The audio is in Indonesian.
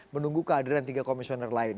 menunggu kehadiran tiga komisioner lain